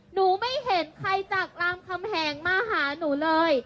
หนูไม่เห็นใครจากรามคำแหงมาหาหนูเลย